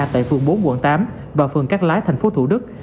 tại phường bốn quận tám và phường cát lái thành phố thủ đức